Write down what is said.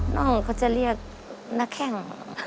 น้องเขาจะเรียกนักแข้ง